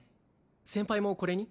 先輩もこれに？